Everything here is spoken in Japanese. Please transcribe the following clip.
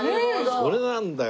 それなんだよ